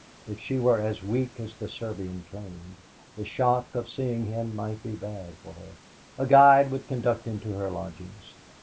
If she were as weak as the Serbian claimed, the shock of seeing him might be bad for her. A guide would conduct him to her lodgings.